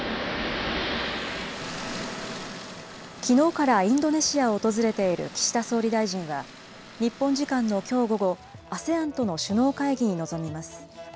きのうからインドネシアを訪れている岸田総理大臣は、日本時間のきょう午後、ＡＳＥＡＮとの首脳会議に臨みます。